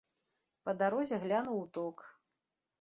Па дарозе глянуў у ток.